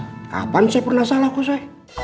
kapan saya pernah salah kose